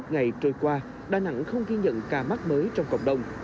hai mươi một ngày trôi qua đà nẵng không ghi nhận ca mắc mới trong cộng đồng